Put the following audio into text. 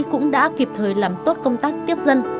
các cán bộ chính sĩ cũng đã kịp thời làm tốt công tác tiếp dân